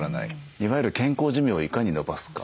いわゆる健康寿命をいかにのばすか。